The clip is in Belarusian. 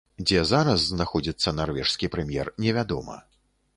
Дзе зараз знаходзіцца нарвежскі прэм'ер, невядома.